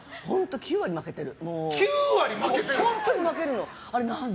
９割負けてる。